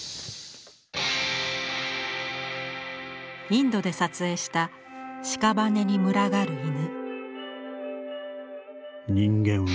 インドで撮影した屍に群がる犬。